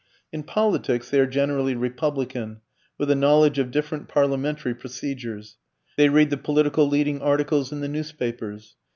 In politics they are generally republican, with a knowledge of different parliamentary procedures; they read the political leading articles in the newspapers.